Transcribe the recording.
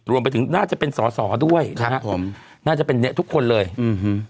รวมไปถึงน่าจะเป็นสอสอด้วยนะครับผมน่าจะเป็นเนี้ยทุกคนเลยอืม